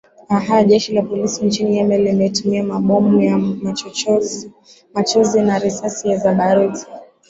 aa jeshi la polisi nchini yemen limetumia mabomu ya machozi na risasi za baruti